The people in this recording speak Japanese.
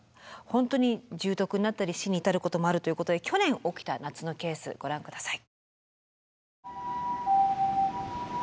本当に重篤になったり死に至ることもあるということで去年起きた夏のケースご覧下さい。